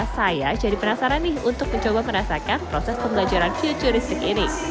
saya jadi penasaran nih untuk mencoba merasakan proses pembelajaran futuristik ini